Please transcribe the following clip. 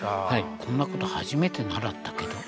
こんなこと初めて習ったけど。